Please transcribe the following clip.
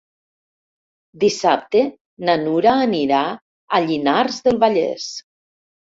Dissabte na Nura anirà a Llinars del Vallès.